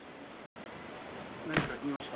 何か言いました？